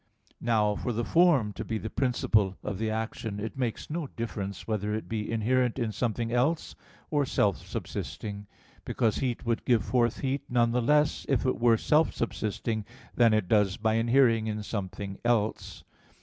Now, for the form to be the principle of the action, it makes no difference whether it be inherent in something else, or self subsisting; because heat would give forth heat none the less if it were self subsisting, than it does by inhering in something else.